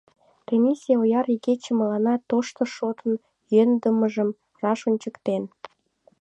Тенийсе ояр игече мыланна тошто шотын йӧндымыжым раш ончыктен...